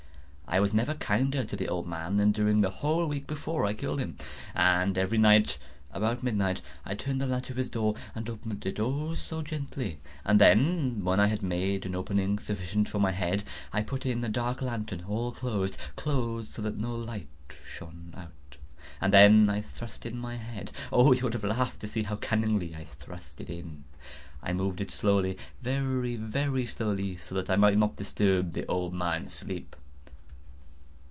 I was never kinder to the old man than during the whole week before I killed him. And every night, about midnight, I turned the latch of his door and opened it—oh, so gently! And then, when I had made an opening sufficient for my head, I put in a dark lantern, all closed, closed, that no light shone out, and then I thrust in my head. Oh, you would have laughed to see how cunningly I thrust it in! I moved it slowly—very, very slowly, so that I might not disturb the old man's sleep.